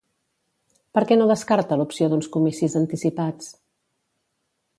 Per què no descarta l'opció d'uns comicis anticipats?